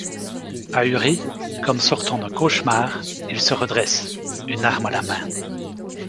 Ahuri, comme sortant d'un cauchemar, il se redresse, une arme à la main.